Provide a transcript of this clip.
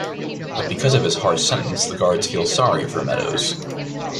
But because of his harsh sentence, the guards feel sorry for Meadows.